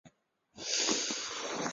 藏蝇子草是石竹科蝇子草属的植物。